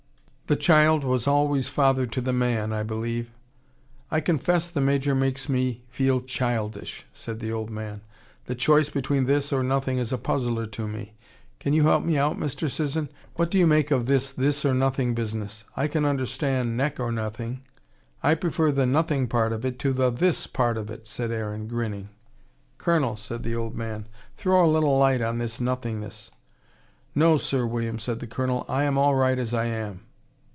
"The child was always father to the man, I believe." "I confess the Major makes me feel childish," said the old man. "The choice between this or nothing is a puzzler to me. Can you help me out, Mr. Sisson? What do you make of this this or nothing business? I can understand neck or nothing " "I prefer the NOTHING part of it to the THIS part of it," said Aaron, grinning. "Colonel," said the old man, "throw a little light on this nothingness." "No, Sir William," said the Colonel. "I am all right as I am."